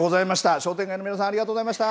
商店街の皆さん、ありがとうございました。